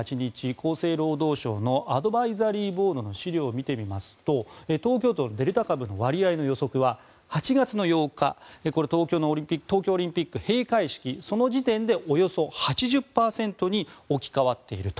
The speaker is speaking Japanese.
厚生労働省のアドバイザリーボードの資料を見てみますと東京都のデルタ株の割合の予測は８月８日これは東京オリンピック閉会式その時点でおよそ８０％に置き換わっていると。